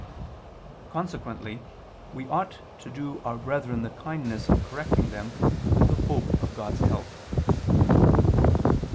Consequently we ought to do our brethren the kindness of correcting them, with the hope of God's help.